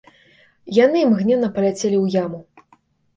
Яны імгненна паляцелі ў яму.